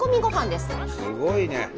すごいね。